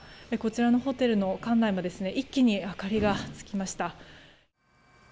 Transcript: こちらのホテルの館内も一気に明かりがつきました。